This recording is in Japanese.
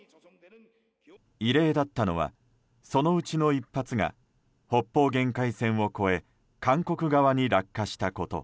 異例だったのはそのうちの１発が北方限界線を越え韓国側に落下したこと。